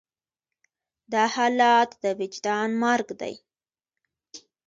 دا حالت د وجدان مرګ دی.